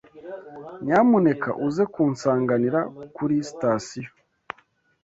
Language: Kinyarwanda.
Nyamuneka uze kunsanganira kuri sitasiyo.